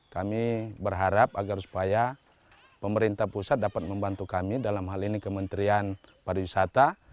kami berharap agar supaya pemerintah pusat dapat membantu kami dalam hal ini kementerian pariwisata